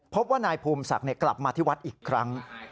พบว่านายภูมิศักดิ์กลับมาที่วัดอีกครั้ง